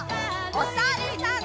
おさるさん。